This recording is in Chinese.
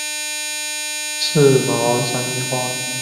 刺毛山樱花